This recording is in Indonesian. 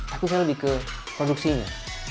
tapi saya lebih ke produksinya